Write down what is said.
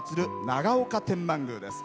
長岡天満宮です。